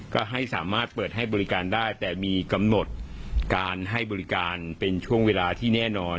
ก็ให้สามารถเปิดให้บริการได้แต่มีกำหนดการให้บริการเป็นช่วงเวลาที่แน่นอน